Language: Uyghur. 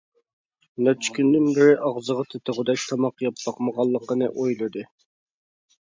نەچچە كۈندىن بېرى ئاغزىغا تېتىغۇدەك تاماق يەپ باقمىغانلىقىنى ئويلىدى.